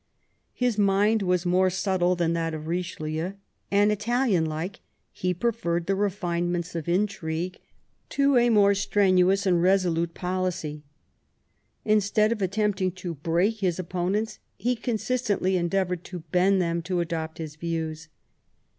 His mind was more subtle than that of Richelieu, and Italian like he preferred the re finements of intrigue to a more strenuous and resolute policy. Instead of attempting to break his opponents, he consistently endeavoured to bend them to adopt his views.